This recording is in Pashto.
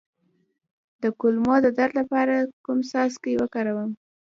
د کولمو د درد لپاره کوم څاڅکي وکاروم؟